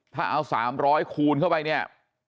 ถ้าเอา๓๐๐คูณเข้าไปเนี่ย๒๔๐๐๐๐๐